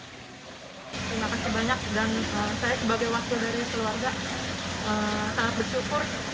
terima kasih banyak dan saya sebagai wakil dari keluarga sangat bersyukur